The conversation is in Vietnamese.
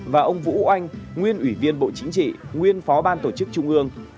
và ông vũ oanh nguyên ủy viên bộ chính trị nguyên phó ban tổ chức trung ương